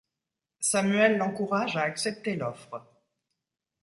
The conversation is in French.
Samuel l'encourage à accepter l'offre.